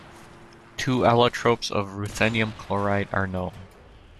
Two allotropes of RuCl are known.